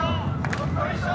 どっこいしょ。